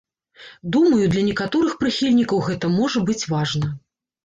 Думаю, для некаторых прыхільнікаў гэта можа быць важна.